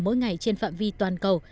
mỗi ngày trên phạm vi toàn cầu